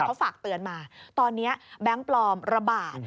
เขาฝากเตือนมาตอนนี้แบงค์ปลอมระบาด